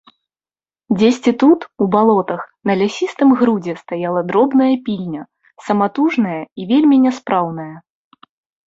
Дзесьці тут, у балотах, на лясістым грудзе стаяла дробная пільня, саматужная і вельмі няспраўная.